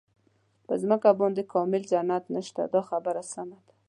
په ځمکه باندې کامل جنت نشته دا خبره سمه ده.